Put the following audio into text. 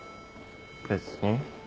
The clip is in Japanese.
別に。